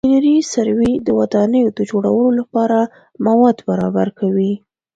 انجنیري سروې د ودانیو د جوړولو لپاره مواد برابر کوي